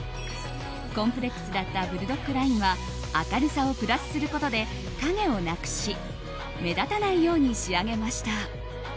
コンプレックスだったブルドッグラインは明るさをプラスすることで影をなくし目立たないように仕上げました。